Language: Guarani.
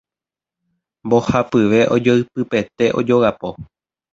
Mbohapyve ojoypypete ojogapo.